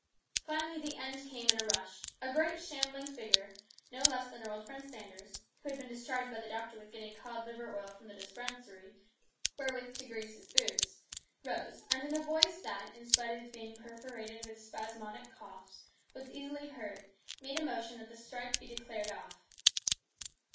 Finally the end came in a rush. A great shambling figure, no less than our old friend Sanders, who had been charged by the doctor with getting cod liver oil from the dispensary wherewith to grease his boots, rose, and in a voice that, in spite of its being perforated with spasmodic coughs, was easily her.rd, made a motion that the strike be declared off.